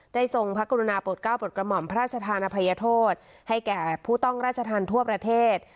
ทรงพระกรุณาปลดเก้าปลดกระหม่อมพระราชธานภัยโทษให้แก่ผู้ต้องราชธรรมทั่วประเทศ